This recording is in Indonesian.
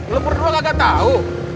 lu berdua kagak tau